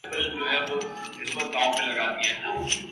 تم نے ابھے تک کچھ کیا ہی کیا ہے